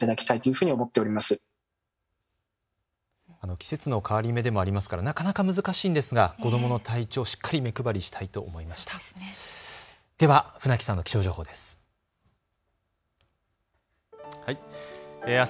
季節の変わり目でもありますからなかなか難しいんですが子どもの体調、しっかり目配りしたいと思います。